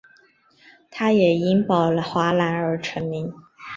他也因宝华蓝而成名。